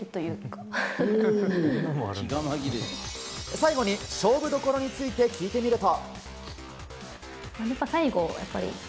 最後に勝負どころについて聞いてみると。